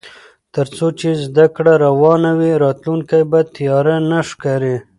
تر څو چې زده کړه روانه وي، راتلونکی به تیاره نه ښکاري.